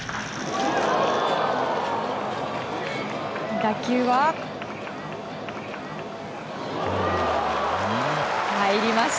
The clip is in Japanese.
打球は入りました！